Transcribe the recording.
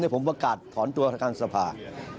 ผมประกาศถอนตัวทางสภา